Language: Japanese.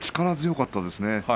力強かったですね。